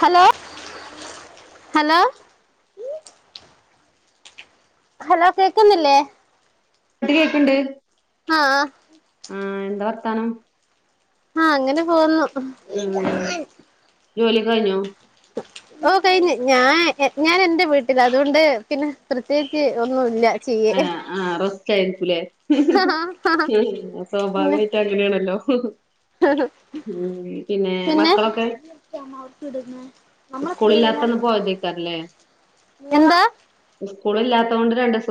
hello hello hello കേക്കുന്നില്ലേ ഇങ്ങട്ട് കേൾക്ക്ണ്ട് ആ ആ എന്താ വർത്താനം ആ അങ്ങനെ പോകുന്നു മ് ജോലി ഒക്കെ കഴിഞ്ഞോ ഓ കഴിഞ്ഞു ഞാൻ ഞാൻ എൻറെ വീട്ടിൽ അതുകൊണ്ട് പിന്നെ പ്രത്യേകിച്ച് ഒന്നുല്ല [unintelligible] [unintelligible] പിന്നെ സ്വാഭാവികയിട്ട് അങ്ങനെയാണല്ലോ [unintelligible] ഉം പിന്നെ മക്കളൊക്കെ സ്കൂളില്ലാത്തന്ന് പോയതേക്കാരല്ലേ [unintelligible] എന്താ കൂള് ഇല്ലാത്തോണ്ട് രണ്ടീസം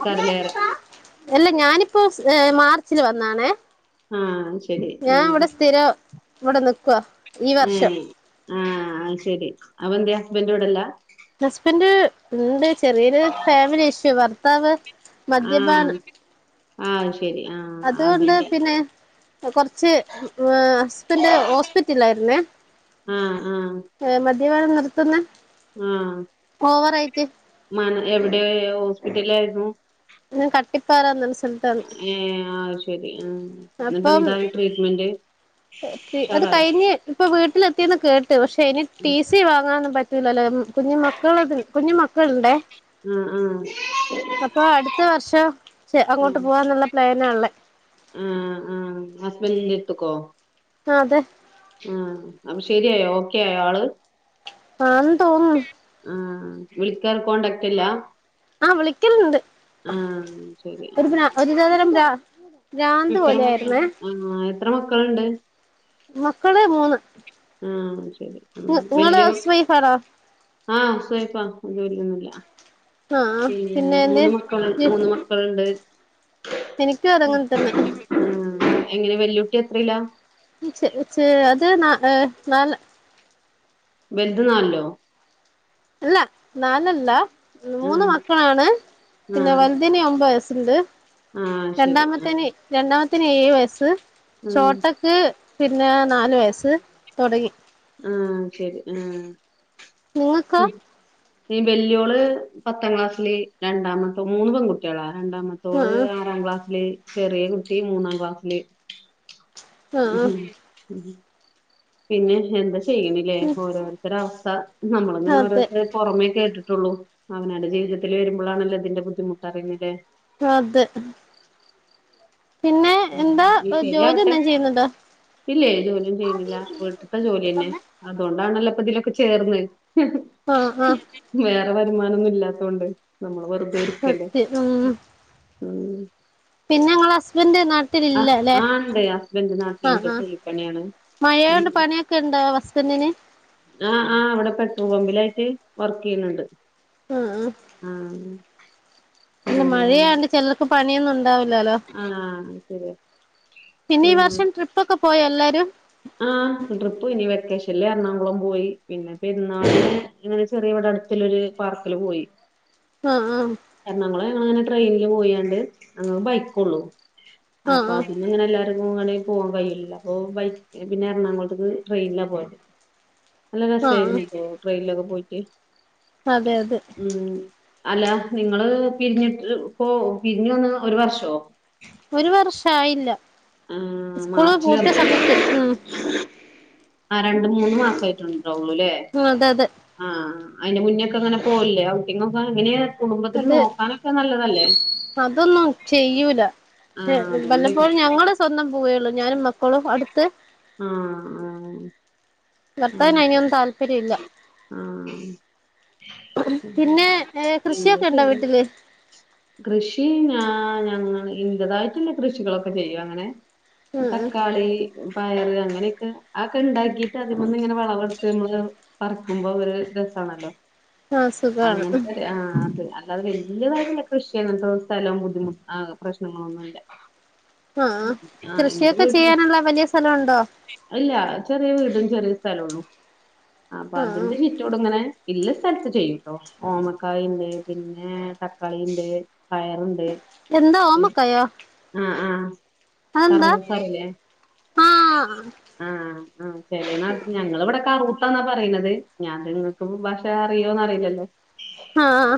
[unintelligible] അല്ല ഞാനിപ്പോ ഏ മാർച്ചില് വന്നാണേ ആഹ് ശരി ഞാൻ ഇവിടെ ആഹ് സ്ഥിരം ഇവിടെ നിക്കുവ ഈ വർഷം ആ ശെരി അപ്പെന്തേ ഹസ്ബന്റ് ഇവിടെല്ല ഹസ്ബന്റ് [unintelligible] ചെറിയൊരു ഫാമിലി ഇഷ്യു ഭർത്താവ് മദ്യപാനം ആ ശരി ആ അതുകൊണ്ട് അതിന്റെ പിന്നെ കുറച്ച് ആ ഹസ്ബൻറ് ഹോസ്പിറ്റലായിരുന്നേ ആ ആ ദ്യപാനം നിർത്തുന്ന ആ ഓവറായിട്ട് [unintelligible] എവിടെ ഹോസ്പിറ്റലാ യിരുന്നു കട്ടിപ്പാറാന്നൊരു സ്ഥല ഏ ആ ശരി ആ അപ്പം എന്നിട്ടെന്തായി ട്രീറ്റ്മെന്റ് അത് ഉഷാറായോ കയിഞ്ഞ് ഇപ്പ വീട്ടിലെത്തിന്ന് കേട്ടു പക്ഷെ ഇനി ടി സി വാങ്ങാനൊന്നും പറ്റൂലല്ലോ കുഞ്ഞ മക്കളിത് കുഞ്ഞു മക്കളു ണ്ടേ ആ ആ ആ അപ്പൊ അടുത്ത വർഷം ചെ അങ്ങോട്ട് പോവാന്നുള്ള പ്ലാനാണുള്ളെ ആ ആ ഹസ്ബന്റിന്റെ അടുത്ത്ക്കൊ ആ അതെ ആ അപ്പൊ ശെരിയായോ ഓക്കെ ആയോ ആള് ആ തോന്നുന്നു ഉം വിളിക്കാൻ കോണ്ടക്റ്റില്ല ആ വിളിക്കലുണ്ട് ശരി ആ ഒരു പ്രാ ഒരുതരരം പ്രാ ന്ത് എത്ര പോലെ മക്ക ആയിരുന്നേ ആ എത്ര മക്കളുണ്ട് മക്കള് മൂന്ന് ആ ശരി നിങ്ങള് വല്യോന് ഹൗസ് വൈഫാണോ ആ ഹൗസ് വൈഫാ ജോലിയൊന്നില്ല ആഹ് പിന്നെ എന്റെ മൂന്ന് മക്കൾ മൂന്ന് മക്കളുണ്ട് എനിക്കും അതങ്ങനെ തന്നെ എങ്ങനെ വെല്ലൂട്ടി എത്രേല്ല ചെ ചെ അതെ എ നാല് വലുതു നാലിലോ അല്ല നാലല്ല ആ മൂന്ന് മക്കളാണ് ആ പിന്നെ വലുതിനെ ഒമ്പയ്സ് ണ്ട് ആ ശരി ആ രണ്ടാമത്തേനെ രണ്ടാ ത്തിന് ഏഴ് വയസ്സ് ഉം ചോട്ടക്ക് പിന്നെ നാലു വയസ്സ് തൊടങ്ങി ആ ശരി ആ ങ്ങക്കോ ഈ ബലിയോളെ പത്താം ക്ലാസ്സില് രണ്ടാമത്തോ മൂന്ന് പെങ്കുട്ടികളാ രണ്ടാമത്തോള് ആഹ് ആറാം ക്ലാസ്സി ലെ ചെറിയ കുട്ടി മൂന്നാം ക്ലാസ്സില് ആഹ് പിന്നെ എന്താ ചെയ്യണില്ലേ ഓരോരുത്തരവസ്ഥ താ നമ്മളിങ്ങനെ അതെ ഓരോരുത്തരെ പുറമേെ കേട്ടിട്ടൊ ള്ളൂ അവനാന്റെ ജീവിതത്തിലെ വരുമ്പോഴാണല്ലോ ഇതിന്റെ ബുദ്ധിമുട്ടറിയുന്നില്ലേ അതെ പിന്നെ ഉം എന്താ ഇനി ജോലി ശരിയാവട്ടെ എന്തേം ചെയ്യുന്നുണ്ടോ ഇല്ലേ ജോലിയൊന്നും ചെയ്യുന്നില്ല വീട്ടത്തെ ജോലിഅന്നെ അതുകൊണ്ടാണല്ലേപ്പിതിലൊക്കെ ചേർന്ന് ആ ആ വെറെ വരുമാനൊന്നില്ലാത്തോണ്ട് നമ്മളു വെറു സത്യം ഉം ഉം പിന്നെ ഇങ്ങളെ ഹസ്ബന്റെ നാട്ടി ആ ഇണ്ട് ഹസ്ബൻഡ് നാട്ടിലുണ്ട് കൂലിപ്പണിയാണ് മഴയൊണ്ട് പണിയൊക്കെ ഇണ്ടോ ഹസ്ബൻഡിന് ആ ആഹ് അവിടെ പെട്രോൾ പമ്പിലായിട്ട് വർക്ക് ചെയ്യുന്നുണ്ട് ആഹ് ആഹ് ആ ഉം അല്ല മഴയാണ്ട് ചിലർക്ക് പണിയൊന്നും ണ്ടാവില്ലാലോ... ആഹ് ശരിയാ പിന്നെ ഈ വർഷം ട്രിപ്പൊക്കെ പോയ എല്ലാരും ആഹ് ട്രിപ്പൂ പോയിനി വെക്കേഷ നില് എറണാകുളം പോയി പിന്നെ പെരുന്നാക്ക് ഇങ്ങനെ ചെറിയ ഇവിടെ അടുത്തില്ലൊരു പാർക്കില് പോയി ആ ആ എറണാകുളം ഞങ്ങളങ്ങനെ ട്രെയിനിൽ പോയാണ്ട് ഞങ്ങ ബൈക്കെള്ളൂ അപ്പ ആഹ് അതിന്ന് അങ്ങനെ എല്ലാരും [unintelligible] പോവാൻ കഴീല്ല അപ്പൊ ബൈക്ക് പിന്നെ എർണാകുളത്തേക്ക് ട്രെയിനിലാ പോയത് നല്ല ആഹ് ആഹ് ആഹ് രസമായിരുന്നു ട്രെയിനിലൊക്കെ പോയിട്ട് അതെ അതെ ഉം അല്ല നിങ്ങള് പിരിഞ്ഞിട്ട് പോ പിരിഞ്ഞു വന്ന് ഒരു വർഷോ ഒരു വർഷായില്ല ആ സ്കൂള് പൂട്ടിയ മാർച്ചിലായിര്ന്നുല്ലേ സമയത്ത് ഉം ആ രണ്ട് മൂന്ന് മാസമായിട്ടുണ്ടണ്ടാവുള്ളുല്ലേ അതെ അതെ ആ അതിന്റെ മുന്നൊക്കെങ്ങനെ പോകലില്ലേ ഔട്ടിങ്ങൊക്കെ അങ്ങനെയ കുടുംബത്തില് അത് നോക്കാനൊക്കെ നല്ലതല്ലേ അതൊന്നും ചെയ്യൂല പക്ഷെ ആഹ് വല്ലപ്പോഴും ഞങ്ങള് സ്വന്തം പോവേയുള്ളൂ ഞാനും മ ആ-ആ ഭർത്താവിന് അയിനൊന്നും താല്പര്യല്ല ആഹ് ശരി പിന്നെ ആഹ് ഏ എന്താ കൃഷിയൊക്കെ ഇണ്ടോ ചെയ്യണ് വീട്ടില് കൃഷി ഞാ ഞങ്ങ ഇന്റേതായിട്ടുള്ള കൃഷികളൊക്കെ ചെയ്യും അങ്ങനെ ഉം ഉം തക്കാളി, പയർ അങ്ങനെയൊക്കെ ആ ഒക്കെ അതൊക്കെ ഉണ്ടാക്കിട്ട് അതിമ്മന്ന് ഇങ്ങനെ വിളവെടുത്ത് മ്മള് പറിക്കുമ്പോ ഒര് രസാണല്ലോ ആഹ് സുഖാണ് അങ്ങനെ ആ അത് അല്ലത് വല്യതായിട്ട്ള്ള കൃഷിങ്ങത്തെ സ്ഥലം ബുദ്ധിമുട്ട് പ്രശ്നങ്ങളൊന്നുമല്ല ആഹ് കൃഷിയൊക്കെ ചെയ്യാനുള്ള വലിയ സ്ഥലമുണ്ടോ ഇല്ല ചെറിയ വീടും ചെറിയ സ്ഥലൊള്ളു അപ്പൊ ആഹ് അതിന്റെ ചുറ്റോട് ഇങ്ങനെ ഇല്ല സ്ഥലത്ത് ചെയ്യൂട്ടോ ഓമക്കായുണ്ട് പിന്നെ തക്കാളിയിണ്ട് പയറുണ്ട് എന്താ ഓമ്മക്കായോ ആ [unintelligible] ആഹ് ആഹ് ആഹ് ചെലെ നാട്ട് ഞങ്ങള ഇവിടെക്കെ [unintelligible] പറയുന്നത് ഞാൻ നിങ്ങക്ക് ഭാഷ അറിയോന്ന് അറിയില്ലല്ലോ [inaudible] ആഹ്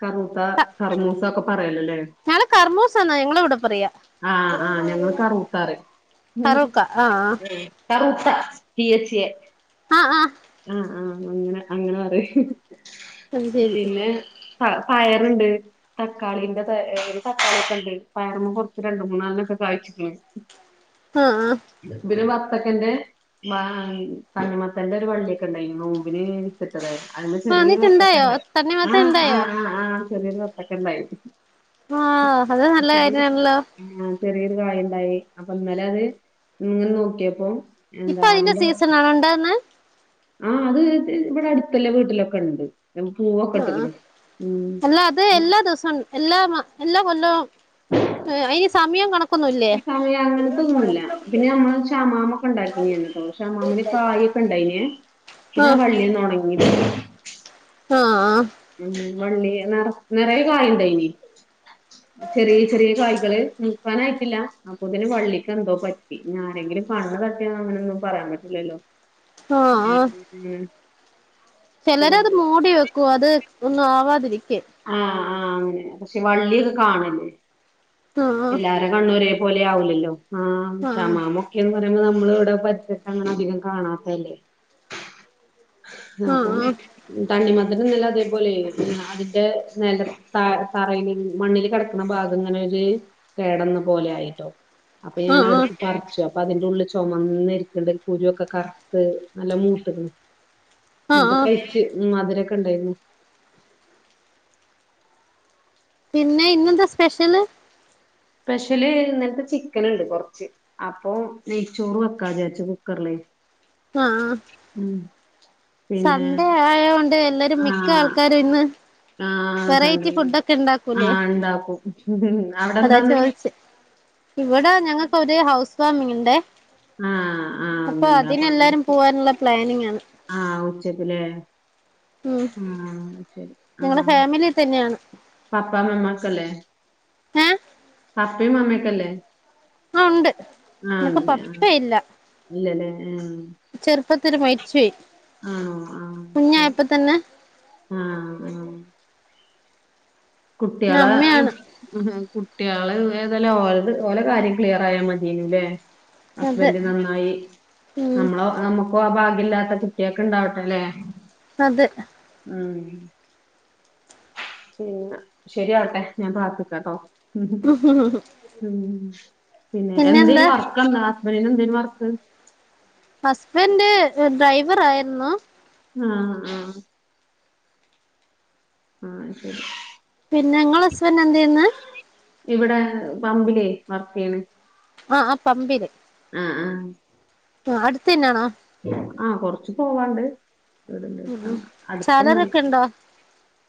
കറൂത്ത കറമൂസക്ക ല്ലേ ഞങ്ങള് കർമൂസ എന്നാ ഞങ്ങളെ ഇവിടെ പറയാ ആഹ് ആഹ് ഞങ്ങള് കറൂതാന്ന് പറയും ഉം കറൂക്ക ആഹ് കറൂത്ത ടി എച് എ ആഹ്-ആഹ് ആഹ് ആഹ് അങ്ങനെ അങ്ങനെ പറേയും അത് ശെരി പ പയറുണ്ട് തക്കാളീന്റെ ഉം.. തക്കാളി ഒക്കെ ഇണ്ട് പയറും കുറച്ച് രണ്ട് മൂന്നാലൊക്കെ വായിച്‌ക്ണ് ആഹ് ആഹ് പിന്നെ വത്തക്കന്റെ മ തണ്ണിമത്തന്റെ ഒരു വള്ളി ണ്ടായിന്ന് [unintelligible] അതിമ്മെ ആ ചെറിയൊരു എന്നിട്ട് ഇണ്ടായോ വത്തക്കണ്ട് ആ തണ്ണിമത്തൻ ആ ഇണ്ടായോ ആ ആ ചെറിയൊരു വത്തക്കയുണ്ടായി ആഹ് അത് നല്ല കാര്യാണല്ലോ ആഹ് ചെറിയൊരു കായുണ്ടായി അപ്പൊ ഇന്നലെ അത് ഇങ്ങനെ നോക്കിയപ്പോ ഇപ്പൊ എന്താ അതിന്റെ സീസൺ ആണൊ ഉണ്ടാകുന്നെ ആ അത് ഇവിടെ അടുതീള്ള വീട്ടിലൊക്കെ ഉണ്ട് ന പൂവൊക്കെ ആഹ് ഇട്ടേക്കണ് ഉം.. അല്ല അത് എല്ലാ ദിവസവും എല്ലാ എല്ലാ കൊല്ലവും അതിന് സമയം കണക്കൊന്നുമില്ലേ സമയം അങ്ങൻത്തൊന്നുല്ല പിന്നെ നമ്മള് ക്ഷമാമൊക്കെ ഇണ്ടാക്കീനെല്ലോ ക്ഷമാമിന് കായൊക്കെ ഇണ്ടായിനെ പിന്നെ ആ വള്ളിങ്ങ് ഒണങ്ങി ആ വള്ളി നിറ നിറയെ കായിണ്ടേയിനി ചെറിയ ചെറിയ കായ്കള് വിൽക്കാനായ്ട്ടില്ല അപ്പൊപിന്നെ വള്ളിക്കെന്തോ പറ്റി ഇഞ്ഞാരെങ്കിലും കണ്ണ് തട്ടിയതാണെന്നൊന്നും പറയാ പറ്റില്ലല്ലോ ഉം ചെലരത് മൂടി വെക്കും അത് ഒന്നും ആവാതിരി ആ ആ അങ്ങനെ പക്ഷെ വള്യൊക്കേ കാണില്ലേ ആഹ് എല്ലാരേം കണ്ണൊരേ പോലെ ആവൂലല്ലോ ആ ആഹ് ക്ഷമാമൊക്കെന്ന് പറ നമ്മള് ഇവിടെ പച്ചക്കങ്ങനെ അധികം കാണാത്തിതല്ലേ ആഹ് അപ്പൊ ആഹ് തണ്ണിമത്തന് ഇന്നലെ അതേപോലെ ആ അതി ൻ്റെ നെല ത തറയില് മണ്ണില് കെടക്ക്ണ ഭാഗങ്ങനെ കേടന്ന പോലെ ആയിട്ടോ അപ്പൊ ഞാന് ആഹ് ആഹ് അവിട്ത്ത് പറിച്ചു അപ്പൊ അതിന്റെ ഉള്ള് ചൊമന്നിരിക്ക്ണ്ട് കുരൊക്കെ കറത്ത് നല്ല മൂത്ത്ക്ക്ണ് ആഹ് എന്നിട്ട് ആഹ് കഴിച്ച് മധുരൊക്കെ ഉണ്ടേര്ന്നു പിന്നെ ഇന്നെന്താ സ്പെഷ്യല് സ്പെഷ്യല് ഇന്നൽത്തെ ചിക്കന്ണ്ട് കൊറച്ച് അപ്പൊ നെയ്ച്ചോറ് വെക്കാന്നുവിചാരിച്ചു കുക്കർലേ ആ പിന്നെ സൺഡേ ആയോണ്ട് എല്ലരും മിക്ക ആൾക്കാരും ഇന്ന് ആ വെറൈറ്റി സൺഡെ ഫുഡൊക്കെ ആ ഉണ്ടാക്കൂലേ ഇണ്ടാക്കും അവിടെ അതാ എന്താന്ന് ഇന്ന് ചോദിച്ചെ ഇവിടെ ഞങ്ങക്കൊരു ഹൗസ് ഫാമിങ്ങിണ്ടെ ആ ആഇന്നിണ്ട് അപ്പൊ [unintelligible] പോവാനുള്ള പ്ലാനിങ് ആണ് ആ ഉച്ചക്ക്ലേ ഉം ഞങ്ങളെ ആഹ് ഫാമിലീ തന്നെയാണ് പപ്പാ മമ്മ ചൊല്ലേ ഏ പപ്പിം മമ്മിം ഒക്കേല്ലേ അ ഉണ്ട് നിനക്ക് പപ്പ ആഹ് ഇല്ല ഇല്ലല്ലേ ആഹ് ചെർ പ്പത്തില് മരിച്ചോയി ആണോ ആ ശെരി ആ ഉം പിന്നെ കുട്യാളെ അമ്മയാണ് [unintelligible] കു കുട്യള് ഏതെല്ലാം ഓൽത് ഓലെ കാര്യം ക്ലിയറായാ മതേനുലെ അതെ ഹസ്ബൻ്റ് നന്നായി ഉം നമ്മളോ നമുക്കോ ആ ഭാ ല്ലാത്തെ കുട്യേക്ക് ഇണ്ടാവട്ടെലേ അതെ ഉം പിന്നെ ശരിയാവട്ടെ ഞാൻ പ്രാർത്ഥിക്കാട്ടോ ഉം ഉം ഉം പിന്നെ പിന്നെന്താ എന്തേനു വർക്കെന്താ ഐന് എന്തേനു വർക്ക് ഹസ്ബൻ്റ് ഡ്രൈവറായ്രുന്നു ആ ആ അ ശെരി പിന്നെ ഇങ്ങളെ ഹസ്ബന്റ് എന്തയ്ന്നെ ഇവിടെ പമ്പിലേ വർക്കെയ്യ്ണ് അ അ പമ്പില് അ അടുത്തന്നേണോ അ കൊർച്ച് പോവാണ്ട് വീട്ടിന്റെ ഉം ഉം അടുത്തന്നെ സാലറി അട്ത്തൊന്നല്ല ഒക്കെ ഉണ്ടോ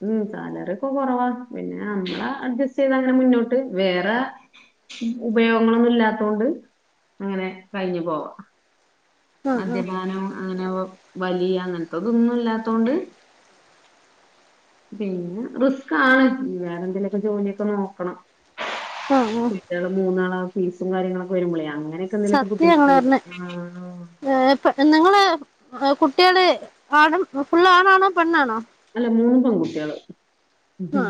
ഉം സാലറി ഒക്കെ കൊറവാണ് പിന്നെ നമ്മള് അഡ്ജസ്റ്റെയ്തങ്ങനെ മുന്നോട്ട് വേറെ ഉപയോഗങ്ങളൊന്നും ഇല്ലാത്തോണ്ട് അങ്ങനെ കഴിഞ്ഞു പോവാ ഉം ഉം മദ്യപാനം അങ്ങനെ വലിയ അങ്ങനത്തെതൊന്നും ഇല്ലാത്തോണ്ട് പിന്നെ റിസ്ക്അണ് വേറെ എന്തെങ്കലുമൊക്കെ ജോലിയൊക്കെ നോക്കണം ഉം ഉം കുട്ടികള് മൂന്നാള ഫീസും കാര്യങ്ങളൊക്കെ വരുമ്പോളഅ അങ്ങനൊക്കെ എന്തേലൊക്കെ ബുദ്ധിമുട്ട് വരും ആ പെണ്ണുങ്ങള് കുട്ടിൾ ആനും ഫുൾ അണണോ പെണ്ണാണോ അല്ല മൂന്ന് പെൺകുട്ടികള് ആ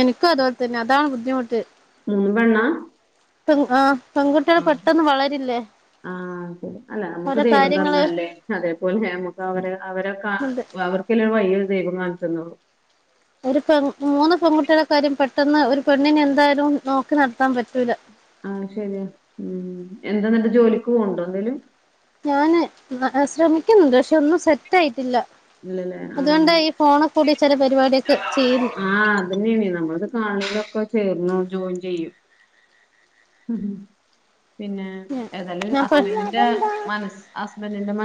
എനിക്കും അതുപോലെ തന്നെ അതാണ് ബുദ്ധിമുട്ട് മുന്നും പെണ്ണാ ആപെകുട്ടിൾ പെട്ടെന്ന് വളരില്ലേ ആത് ശരി അല്ല നമ്മുക്ക് ഓരോ ദൈവം കാര്യങ്ങള് തന്നല്ലേ അതേപോലെ നമുക്ക് അവരെ അവരക്കെ ഉണ്ട് അവ ക്കലരു വയ്യ് ദൈവംകാണിച്ചെന്നോളും ഒരു പെ മൂന്ന് പെൺകുട്ടിളെ കാര്യം പെട്ടെന്ന് ഒരു പെണ്ണിനെ എന്തായാലും നോക്കി നടത്താൻ പറ്റൂല ആ ശരിയാ ഉം എന്താ എന്നിട്ട് ജോലിക്ക് പോവണ്ടോ എന്തേലും ഞാന് ശ്രമിക്കുന്നുണ്ട് പക്ഷെ ഒന്നും സെറ്റ് ആയിട്ടില്ല ഇല്ലല്ലേ അതുകൊണ്ടാ ഈ ഫോണിൽ കൂടി ചില പരിപാടിയൊക്കെ ചെയ്യുന്നു ആആ അത്ന്നെണ് നമ്മളത് കാ യെന്തങ്കിലൊക്കെ ചേർണം ജോയിൻ ചെയ്യും ഹ് ഹ് പിന്നെ ഏതായാലും ഞാൻ പ ഹസ്ബൻഡിന്റെ മനസ്സ്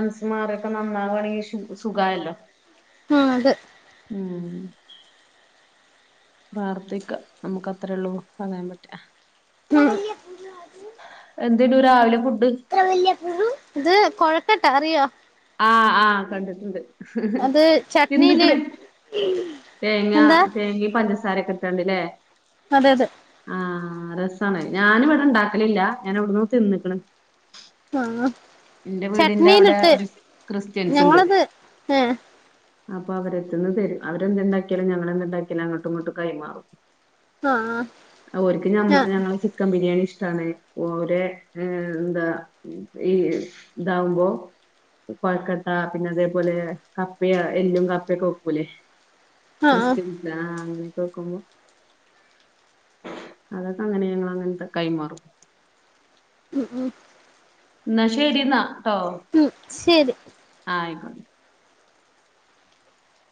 ഹസ് മാറൊക്കെ നന്നാവകണെങ്കിൽ സുഖല്ലോ ആഹ അത് ഉം പ്രാർത്ഥിക്ക നമുക്ക് അത്രേ ഉള്ളൂ പറകയാൻ പറ്റുക ന എന്തേലും രാവിലെ കുട്ട് എത്ര വ ഇത് കൊഴക്കട്ടാ അറിയോ ആഹ ആഹ കണ്ടിട്ടുണ്ട് അത് ചട്നിയില് എന്നിക്കണെ തേങ്ങ എന്താ തേങ്ങ പഞ്ചസാരൊക്കെ ഇട്ടണ്ട്ല്ലേ അതെ അതെ ആ രസമാണ് ഞാനും ഇവിടെ ഇണ്ടാക്കലില്ല ഞാൻ ഇവിടന്ന് തിന്നിക്കണം ആഹ എറെ വീടിന്റെ അവിടെ ഒരു ക്രിസ്ത്യൻസ് ഉണ്ട് ഞങ്ങളത് ഏ അപ്പൊ അവരെത്തന്ന് തരും അവരെന്ത്തുണ്ടാക്കിയാലും ഞങ്ങളെന്ത്തുണ്ടാക്കിയാലുംങ്ങട്ടും ഇങ്ങോട്ട് കൈമാറും ആ ഒരിക്കും മ്മ ആ ഞങ്ങള് ചിക്കൻ ബിരിയാണി ഇഷ്ട ണ ഒര എന്താ ഈ ഇതാവുമ്പോ കൊഴക്കട്ട പിന്നെ അതേപോലെ കപ്പയ എല്ലും കപ്പയക്കക്കൂലേ ആ കക്രിസ്റ്റൻസാ അങ്ങനെ കേക്കുമ്പോ അതൊക്കെ അങ്ങനെ ഞങ്ങ അങ്ങനത്തെ കൈമാറും മം ഉം എന്നാ ശരി എന്നാ ട്ടോ ഉം ശരി ആ ആയിക്കോണ്ട